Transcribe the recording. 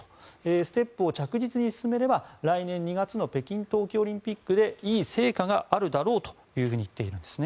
ステップを着実に進めれば来年２月の北京冬季オリンピックでいい成果があるだろうと言っているんですね。